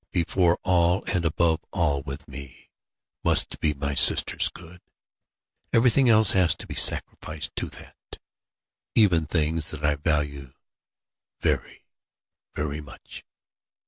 Before all and above all with me, must be my sister's good. Everything else has to be sacrificed to that, even things that I value very, very much.